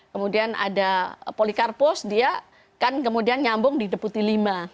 kemudian ada polikarpus dia kan kemudian nyambung di deputi lima